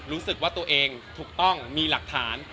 รู้สึกว่าตัวเองถูกต้องมีหลักฐาน